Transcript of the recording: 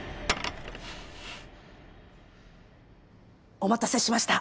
お待たせしました。